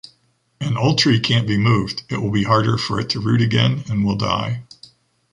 An old tree can’t be moved, it will be harder for it to root again and will die.